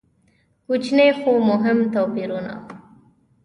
کوچني خو مهم توپیرونه.